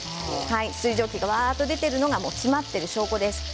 水蒸気が出ているのが詰まっている証拠です。